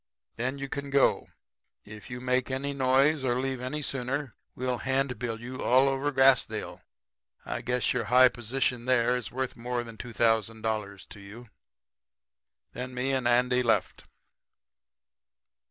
Then you can go. If you make any noise or leave any sooner we'll handbill you all over Grassdale. I guess your high position there is worth more than $2,000 to you.' "Then me and Andy left.